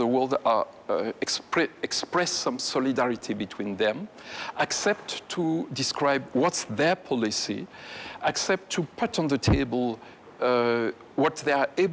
บอกว่านี่คือภาพของพวกเขาและพูดถึงว่าพวกเขาจะทำอะไร